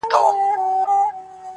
زما د ښار ځوان.